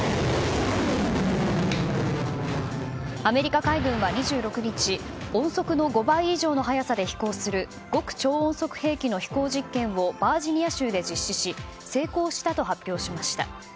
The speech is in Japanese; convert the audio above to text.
アメリカ海軍は２６日音速の５倍以上の速さで飛行する極超音速兵器の飛行実験をバージニア州で実施し成功したと発表しました。